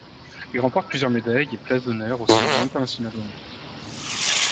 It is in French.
Il remporte plusieurs médailles et places d’honneurs aux semaines internationales olympiques.